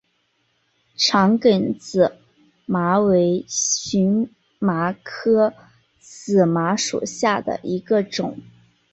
长梗紫麻为荨麻科紫麻属下的一个种。